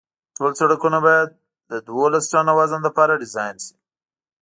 ټول سرکونه باید د دولس ټنه وزن لپاره ډیزاین شي